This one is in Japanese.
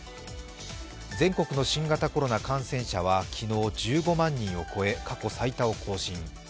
全国の新型コロナ感染者は昨日１５万人を超え過去最多を更新。